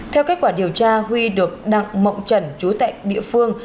theo kết quả điều tra huy được đặng mộng trần chú tại địa phương